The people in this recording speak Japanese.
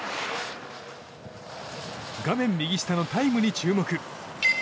画面右下のタイムに注目。